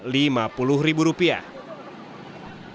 saya debatlah sama yang kata